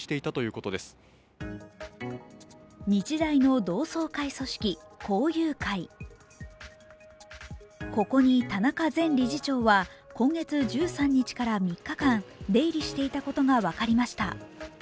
ここに田中前理事長は今月１３日から３日間出入りしていたことが分かりました。